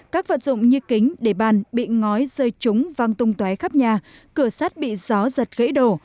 các vật dụng như kính đề bàn bị ngói rơi trúng vang tung tué khắp nhà cửa sát bị gió giật gãy đổ